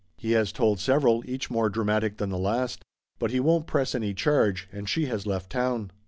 He has told several, each more dramatic than the last. But he won't press any charge, and she has left town."